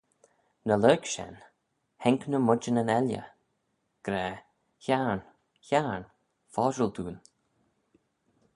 Ny lurg shen haink ny moidjynyn elley, gra, hiarn, hiarn, foshil dooin.